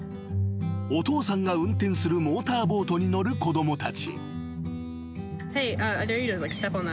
［お父さんが運転するモーターボートに乗る子供たち］